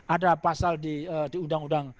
ada pasal di undang undang